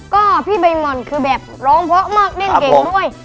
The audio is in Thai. ก็พี่ใบหม่อนคือแบบร้องเพราะมากเล่นเก่งด้วย